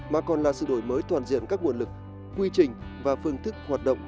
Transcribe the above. mà còn là sự đổi mới toàn diện các nguồn lực quy trình và phương thức hoạt động